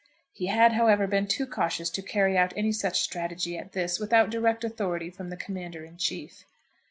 He had, however, been too cautious to carry out any such strategy as this, without direct authority from the Commander in Chief.